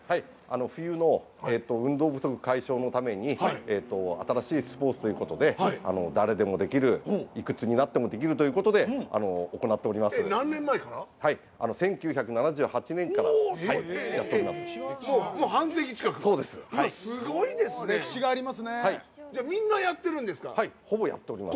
冬の運動不足解消のため新しいスポーツということで誰でもできるいくつになってもできるということで行っております。